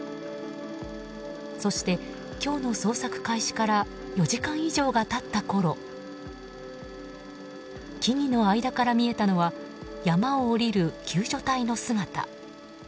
そして今日の捜索開始から４時間以上が経ったころ木々の間から見えたのは山を下りる救助隊の姿。